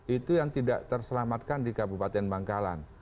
itu yang tidak terselamatkan di kabupaten bangkalan